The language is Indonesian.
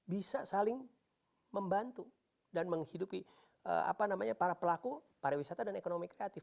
bisa saling membantu dan menghidupi para pelaku pariwisata dan ekonomi kreatif